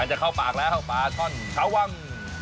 จะเข้าปากแล้วปลาช่อนชาววัง